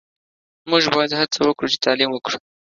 موژ باید هڅه وکړو چی تعلیم وکړو